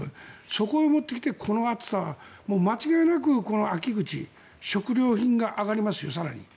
そこへもってきて、この暑さ間違いなく秋口食料品が上がりますよ、更に。